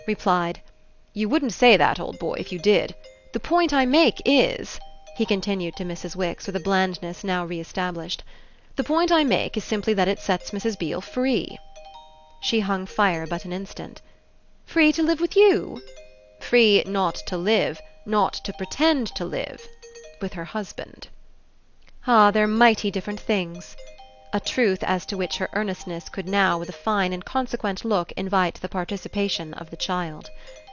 replied: "You wouldn't say that, old boy, if you did! The point I make is," he continued to Mrs. Wix with a blandness now re established "the point I make is simply that it sets Mrs. Beale free." She hung fire but an instant. "Free to live with YOU?" "Free not to live, not to pretend to live, with her husband." "Ah they're mighty different things!" a truth as to which her earnestness could now with a fine inconsequent look invite the participation of the child.